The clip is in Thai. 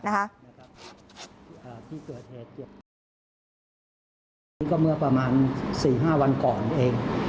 นี่ก็เมื่อประมาณ๔๕วันก่อนเอง